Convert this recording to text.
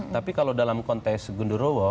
tapi kalau dalam konteks gundurowo